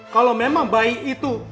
kalau memang bayi itu